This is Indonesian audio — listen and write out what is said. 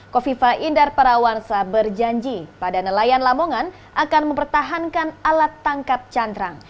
kofifa indar parawansa berjanji pada nelayan lamongan akan mempertahankan alat tangkap cantrang